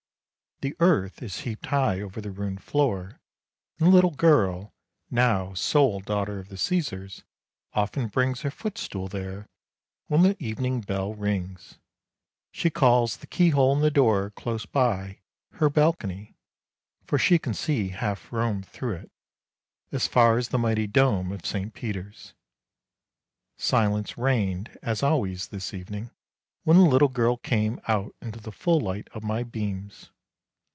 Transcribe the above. The earth is heaped high over the ruined floor, and the little girl, now sole daughter of the Caesars, often brings her footstool there when the evening bells ring. She calls the keyhole in the door close by her balcony, for she can see half Rome through it, as far as the mighty dome of St. Peter's. Silence reigned, as always, this evening when the little girl came out into the full light of my beams.